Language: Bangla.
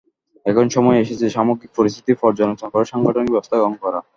এখন সময় এসেছে, সামগ্রিক পরিস্থিতি পর্যালোচনা করে সাংগঠনিক ব্যবস্থা গ্রহণ করা।